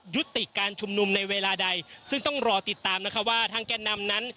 ยุติการชุมนุมในเวลาใดซึ่งต้องรอติดตามนะคะว่าทางแก่นำนั้น